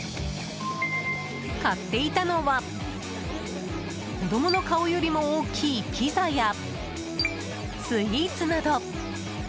買っていたのは子供の顔よりも大きいピザやスイーツなど。